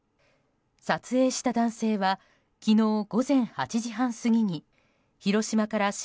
撮影した男性は昨日午前８時半過ぎに広島から新